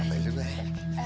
capek juga ya